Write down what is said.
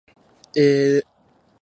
えー